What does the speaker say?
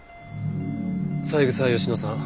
三枝佳乃さん。